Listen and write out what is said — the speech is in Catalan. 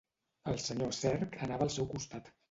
El senyor Cerc anava al seu costat.